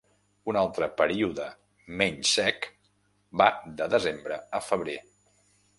Un altre període menys sec va de desembre a febrer.